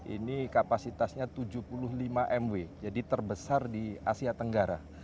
ini kapasitasnya tujuh puluh lima mw jadi terbesar di asia tenggara